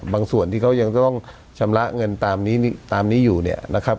บางส่วนที่เขายังต้องชำระเงินตามนี้อยู่เนี่ยนะครับ